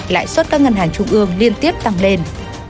lãi suất các ngân hàng trung ương liên tiếp tăng lên